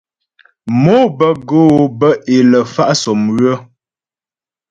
Mò bə́ go'o bə́ é lə fa' sɔ́mywə.